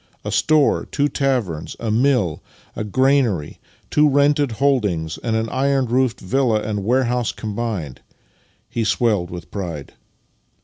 A store, two taverns, a mill, a granary, two rented holdings, and an iron roofed villa and warehouse combined." He swelled with pride.